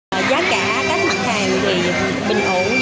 giá cả các mặt hàng thì bình ổn giá thị trường